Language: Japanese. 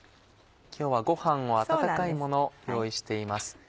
今日はごはんを温かいもの用意しています。